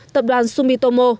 tập đoàn sumitomo